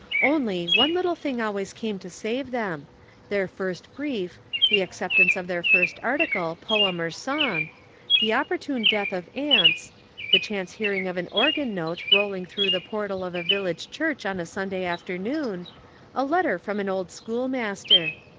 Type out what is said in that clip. Only, one little thing always came to save them their first brief, the acceptance of their first article, poem or song, the opportune deaths of aunts, the chance hearing of an organ note rolling through the portal of a village church on a Sunday afternoon, a letter from an old schoolmaster.